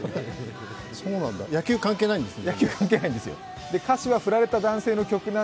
野球、関係ないんですね。